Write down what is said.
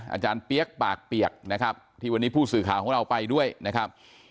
อาจารย์เปี๊ยกปากเปียกนะครับที่วันนี้ผู้สื่อข่าวของเราไปด้วยนะครับ